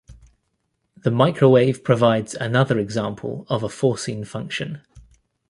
The microwave provides another example of a forcing function.